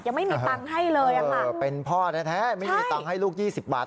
ยังไม่มีตังค์ให้เลยเออเป็นพ่อแท้ไม่มีตังค์ให้ลูกยี่สิบบาท